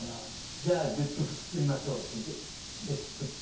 「じゃあ１０曲作りましょう」って作って。